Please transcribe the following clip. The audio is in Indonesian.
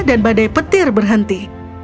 dan badai petir berhenti